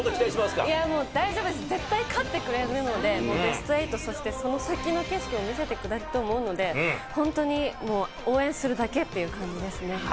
大丈夫です、絶対勝ってくれるのでベスト８、その先の景色を見せてくれると思うので、本当に応援するだけという感じですね。